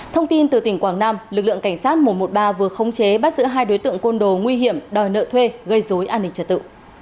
thông tin từ tỉnh quảng nam lực lượng cảnh sát một trăm một mươi ba vừa khống chế bắt giữ hai đối tượng côn đồ nguy hiểm đòi nợ thuê gây dối an ninh trật tự